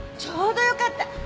ちょうどよかった。